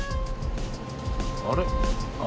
あれ？